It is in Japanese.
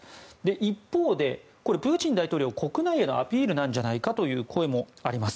一方で、プーチン大統領国内へのアピールなんじゃないかという声もあります。